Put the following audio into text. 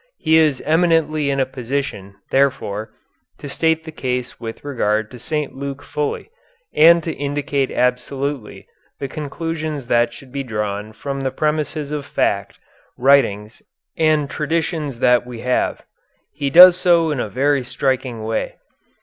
He is eminently in a position, therefore, to state the case with regard to St. Luke fully, and to indicate absolutely the conclusions that should be drawn from the premises of fact, writings, and traditions that we have. He does so in a very striking way.